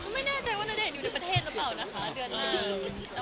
ไม่นาน่ะโอเคค่ะ